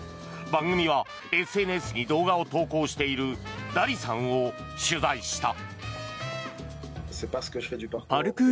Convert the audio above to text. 番組はＳＮＳに動画を投稿しているダリさんを取材した。